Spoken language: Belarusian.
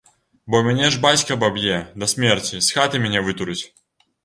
Бо мяне ж бацька абаб'е да смерці, з хаты мяне вытурыць.